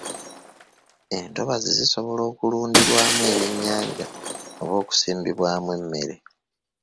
Entobazi zisobola okulundirwamu ebyennyanja oba okusimbibwamu emmere.